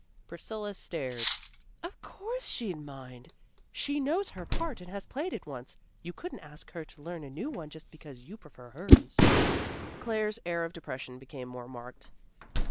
Priscilla stared. "Of course she'd mind. She knows her part and has played it once. You couldn't ask her to learn a new one just because you prefer hers." Claire's air of depression became more marked.